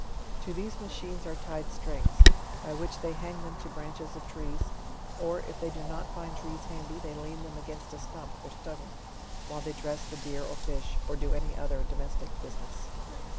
To these machines are tied strings, by which they hang them to branches of trees; or, if they do not find trees handy, they lean them against a stump or stone while they dress the deer or fish K or do any other domestic business.